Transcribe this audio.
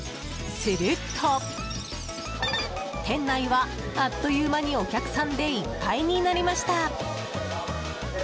すると、店内はあっという間にお客さんでいっぱいになりました。